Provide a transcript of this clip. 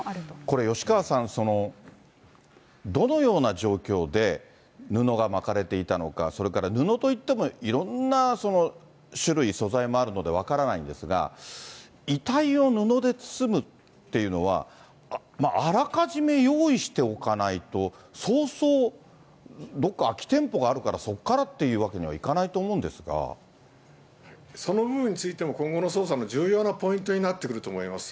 これ、吉川さん、どのような状況で、布が巻かれていたのか、それから布といってもいろんな種類、素材もあるので、分からないんですが、遺体を布で包むっていうのは、まあ、あらかじめ用意しておかないと、そうそう、どこか空き店舗があるから、そこからっていうわけにはいかないとその部分についても、今後の捜査の重要なポイントになってくると思います。